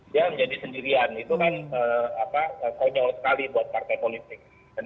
dia menjadi sendirian itu kan konyol sekali buat partai politik